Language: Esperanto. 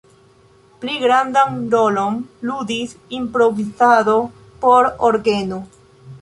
Pli grandan rolon ludis improvizado por orgeno.